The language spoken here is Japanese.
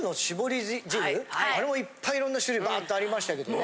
あれもいっぱい色んな種類バーッとありましたけどね。